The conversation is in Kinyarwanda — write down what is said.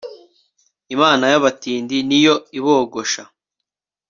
imana y'abatindi ni yo ibogosha